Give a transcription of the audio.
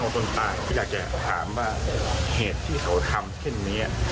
คือแทงอย่างเดียวเลย